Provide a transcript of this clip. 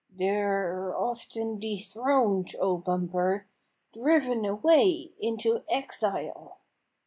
" They're often dethroned, O Bumper, driven away into exile